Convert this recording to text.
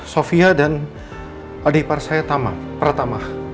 sofia dan adik par saya tama pratama